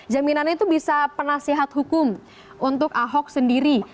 jaminannya itu bisa penasehat hukum untuk ahok sendiri